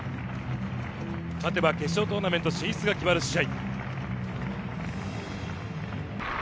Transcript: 勝てば決勝トーナメント進出が決まる試合。